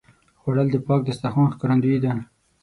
خوړل د پاک دسترخوان ښکارندویي ده